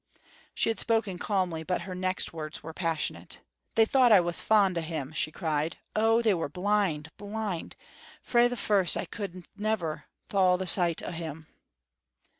She had spoken calmly, but her next words were passionate. "They thought I was fond o'him," she cried; "oh, they were blind, blind! Frae the first I could never thole the sight o' him.